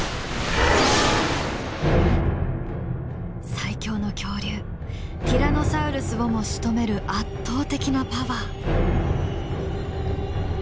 最強の恐竜ティラノサウルスをもしとめる圧倒的なパワー。